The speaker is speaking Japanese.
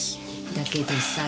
だけどさ